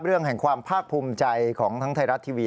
แห่งความภาคภูมิใจของทั้งไทยรัฐทีวี